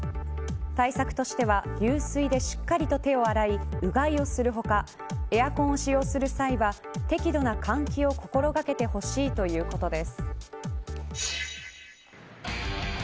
対策としては流水でしっかりと手を洗いうがいをする他エアコンを使用する際は適度な換気を心掛けてほしいということです。